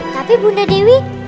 tapi bunda dewi